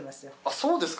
そうですか？